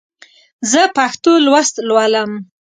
زه پښتو لوست لولم.